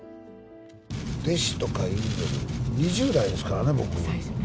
弟子とかいうても２０代ですからね、僕。